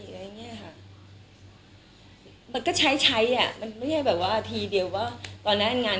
อะไรอย่างเงี้ยค่ะมันก็ใช้ใช้อ่ะมันไม่ใช่แบบว่าทีเดียวว่าตอนนั้นงาน